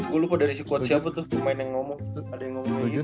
gue lupa dari si quotes siapa tuh